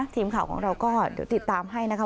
ทีมข่าวของเราก็เดี๋ยวติดตามให้นะคะ